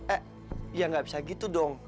eh ya nggak bisa gitu dong